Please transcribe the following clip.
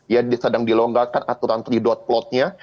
ya sedang dilonggarkan aturan tiga plotnya